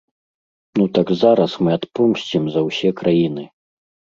Ну так зараз мы адпомсцім за ўсе краіны.